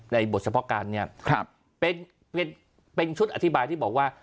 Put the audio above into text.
บทเฉพาะการเนี่ยเป็นชุดอธิบายที่บอกว่า